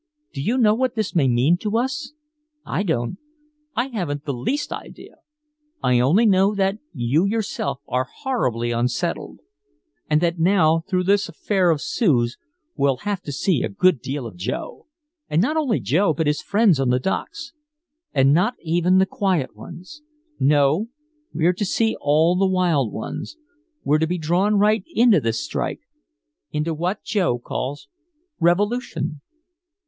Do you know what this may mean to us? I don't, I haven't the least idea. I only know that you yourself are horribly unsettled and that now through this affair of Sue's we'll have to see a good deal of Joe and not only Joe but his friends on the docks and not even the quiet ones. No, we're to see all the wild ones. We're to be drawn right into this strike into what Joe calls revolution."